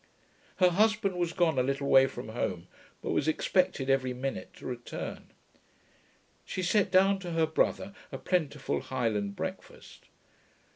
Her husband was gone a little way from home; but was expected every minute to return. She set down to her brother a plentiful Highland breakfast.